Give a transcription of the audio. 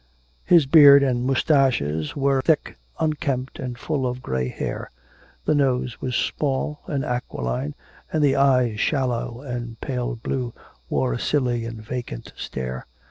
His beard and moustaches were thick, unkempt, and full of grey hair. The nose was small and aquiline, and the eyes, shallow and pale blue, wore a silly and vacant stare.